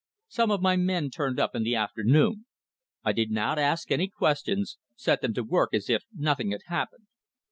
Some of my men turned up in the afternoon. I did not ask any questions; set them to work as if nothing had happened.